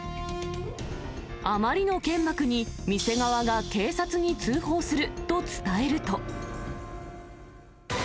あまりのけんまくに店側が警察に通報すると伝えると。